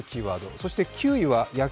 そして９位は野球。